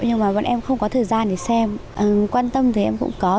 nhưng mà bọn em không có thời gian để xem quan tâm thì em cũng có